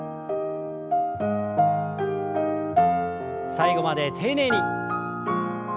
最後まで丁寧に。